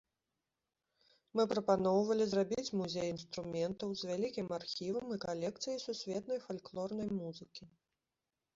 Мы прапаноўвалі зрабіць музей інструментаў з вялікім архівам і калекцыяй сусветнай фальклорнай музыкі.